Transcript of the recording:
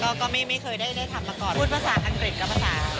ก็ไม่เคยได้ทำมาก่อนพูดภาษาอังกฤษกับภาษา